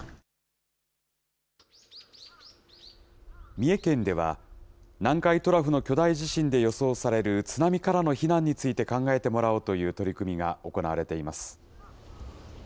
三重県では、南海トラフの巨大地震で予想される津波からの避難について考えてもらおうという取り組みが行われています。